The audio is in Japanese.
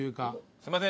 すいません！